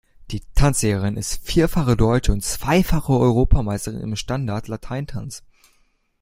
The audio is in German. Die Tanzlehrerin ist vierfache deutsche und zweifache Europameisterin im Standart Latein Tanz.